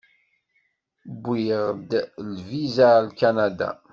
Wwiɣ-d lviza ar Kanada.